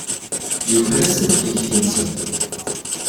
Yuker-asen tikti-nsen.